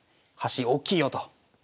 端大きいよと。